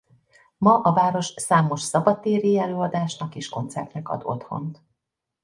Ma a város számos szabadtéri előadásnak és koncertnek ad otthont.